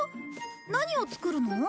何を作るの？